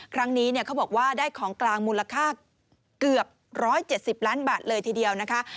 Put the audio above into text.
ครั้งนี้เขาบอกว่าได้ของกลางมูลค่าเกือบ๑๗๐ล้านบาทเลยทีเดียวนะคะ